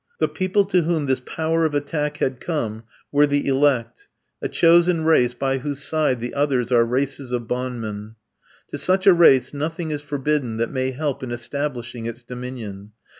The people to whom this power of attack had come were the elect, a chosen race by whose side the others are races of bondmen. To such a race nothing is forbidden that may help in establishing its dominion.